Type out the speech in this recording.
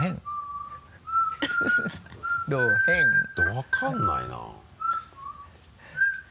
分からないな。